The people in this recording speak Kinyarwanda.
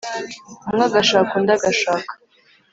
umwe agashaka undi agashaka